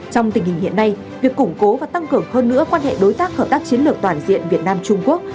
trong tình hình hiện nay việc củng cố và tăng cường hơn nữa quan hệ đối tác hợp tác chiến lược toàn diện việt nam trung quốc